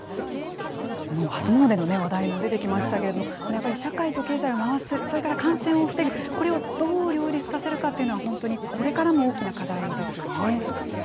初詣の話題も出てきましたけれども、やっぱり社会と経済を回す、それから感染を防ぐ、これをどう両立させるかっていうのは、本当にこれからも大きな課題ですよね。